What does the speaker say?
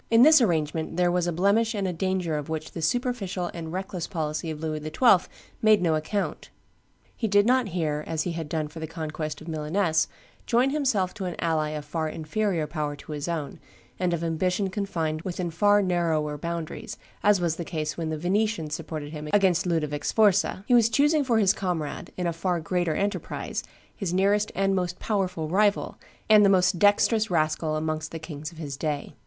In this arrangement there was a blemish and a danger of which the superficial and reckless policy of Louis XII. made no account: he did not here, as he had done for the conquest of Milaness, join himself to an ally of far inferior power to his own, and of ambition confined within far narrower boundaries, as was the case when the Venetians supported him against Ludovie Sforza: he was choosing for his comrade, in a far greater enterprise, his nearest and most powerful rival, and the most dexterous rascal amongst the kings of his day.